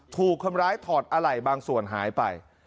ถูกคนร้ายถอดอะไหล่บางส่วนหายไป